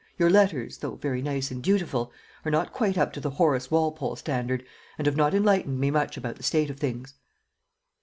Your letters, though very nice and dutiful, are not quite up to the Horace Walpole standard, and have not enlightened me much about the state of things."